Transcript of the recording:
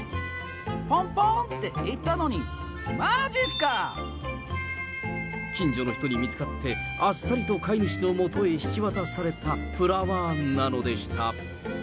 ぽんぽーんっていったのに、近所の人に見つかって、あっさりと飼い主のもとへ引き渡されたプラワーンなのでした。